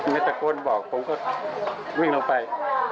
ในตะโกนบอกผมก็วิ่งลงไป